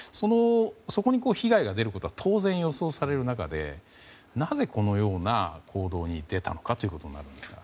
そこに被害が出ることは当然、予想される中でなぜ、このような行動に出たのかとなりますが。